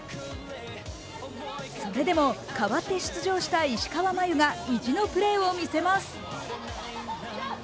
それでも代わって出場した石川真佑が意地のプレーを見せます。